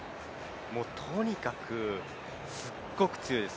とにかくすっごく強いです。